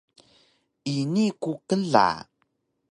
Ini ku kla!